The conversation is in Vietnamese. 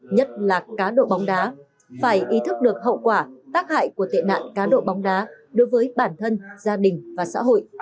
nhất là cá độ bóng đá phải ý thức được hậu quả tác hại của tệ nạn cá độ bóng đá đối với bản thân gia đình và xã hội